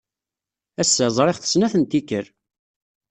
Ass-a, ẓriɣ-t snat n tikkal.